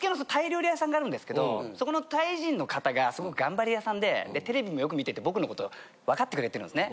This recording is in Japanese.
があるんですけどそこのタイ人の方がすごく頑張り屋さんでテレビもよく見てて僕の事わかってくれてるんですね。